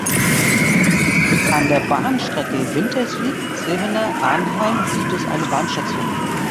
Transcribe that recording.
An der Bahnstrecke Winterswijk–Zevenaar–Arnheim gibt es eine Bahnstation.